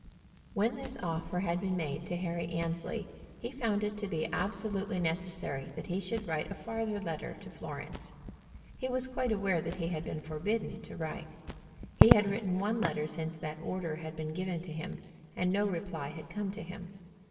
When this offer had been made to Harry Annesley he found it to be absolutely necessary that he should write a farther letter to Florence. He was quite aware that he had been forbidden to write. He had written one letter since that order had been given to him, and no reply had come to him.